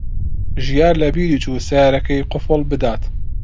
ژیار لەبیری چوو سەیارەکەی قوفڵ بدات.